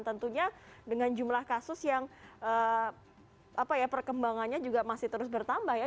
tentunya dengan jumlah kasus yang perkembangannya juga masih terus bertambah ya